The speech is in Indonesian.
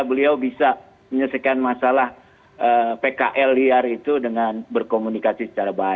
beliau bisa menyelesaikan masalah pkl liar itu dengan berkomunikasi secara baik